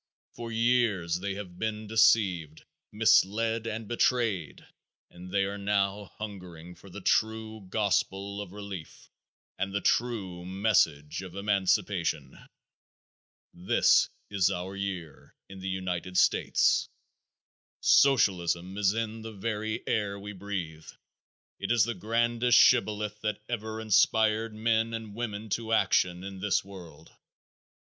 For years they have been deceived, misled and betrayed, and they are now hungering for the true gospel of relief and the true message of emancipation. This is our year in the United States! Socialism is in the very air we breathe. It is the grandest shibboleth that ever inspired men and women to action in this world.